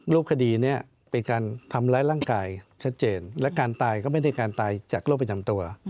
คดีนี้เป็นการทำร้ายร่างกายชัดเจนและการตายก็ไม่ได้การตายจากโรคประจำตัว